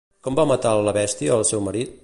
Com va matar la bèstia el seu marit?